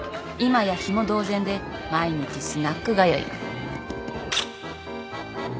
今やヒモ同然で毎日スナック通い。